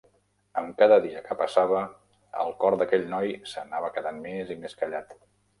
Amb cada dia que passava, el cor d'aquell noi s'anava quedant més i més callat.